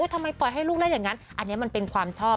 ทำไมปล่อยให้ลูกเล่นอย่างนั้นอันนี้มันเป็นความชอบ